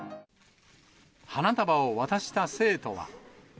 花束を渡した生徒は。